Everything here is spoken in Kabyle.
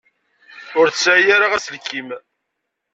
Ur tesɛi ara aselkim.